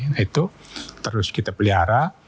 nah itu terus kita pelihara